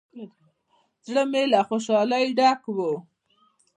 زړه مې له خوشالۍ ډک و.